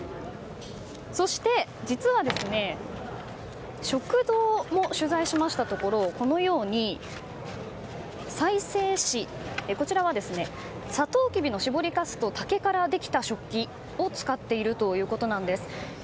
そして実は食堂も取材しましたところこのようにこちらは、サトウキビの搾りかすと竹からできた食器を使っているということなんです。